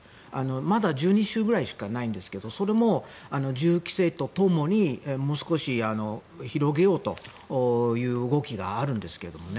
まだ１２州くらいしかないんですけどそれも銃規制とともにもう少し広げようという動きがあるんですけどね。